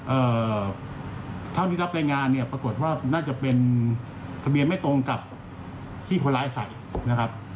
เอ่อเท่าที่รับรายงานเนี่ยปรากฏว่าน่าจะเป็นทะเบียนไม่ตรงกับที่คนร้ายใส่นะครับ